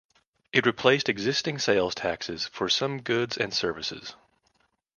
It replaced existing sales taxes for some goods and services.